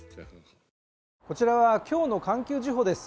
こちらは、今日の「環球時報」です。